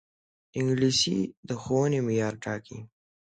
انګلیسي د ښوونې معیار ټاکي